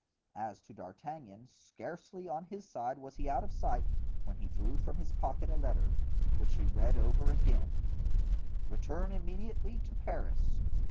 As to D'Artagnan, scarcely, on his side, was he out of sight when he drew from his pocket a letter, which he read over again: "Return immediately to Paris.